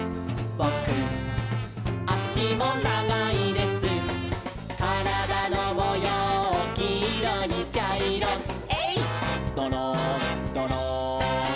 「ぼくあしもながいです」「からだのもようきいろにちゃいろ」「えいっどろんどろん」